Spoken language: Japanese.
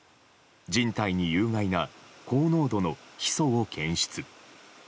人体に有害な高濃度のヒ素を検出。